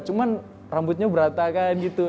cuman rambutnya beratak aja